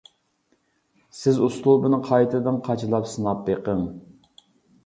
سىز ئۇسلۇبنى قايتىدىن قاچىلاپ سىناپ بېقىڭ.